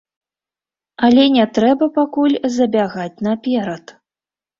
Але не трэба пакуль забягаць наперад.